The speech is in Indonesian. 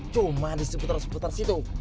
cuma diseputar seputar situ